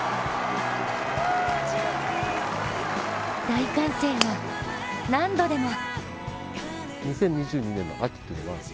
大歓声を「何度でも」